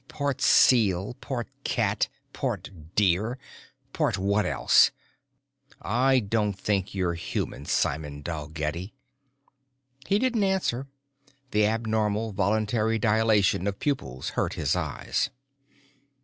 "Part seal, part cat, part deer, part what else? I don't think you're human, Simon Dalgetty." He didn't answer. The abnormal voluntary dilation of pupils hurt his eyes.